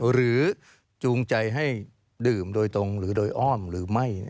จูงใจให้ดื่มโดยตรงหรือโดยอ้อมหรือไม่